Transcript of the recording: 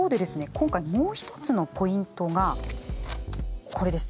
今回もう一つのポイントがこれです。